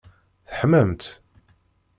Teḥmamt?